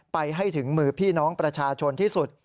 ไปให้ถึงมือพี่น้องประชาชนที่สุด